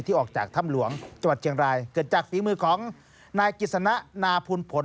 ออกจากถ้ำหลวงจังหวัดเชียงรายเกิดจากฝีมือของนายกิจสนะนาพูลผล